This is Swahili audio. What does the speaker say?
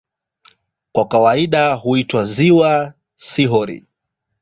Kwa kawaida huitwa "ziwa", si "hori".